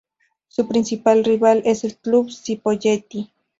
Su principal rival es el Club Cipolletti.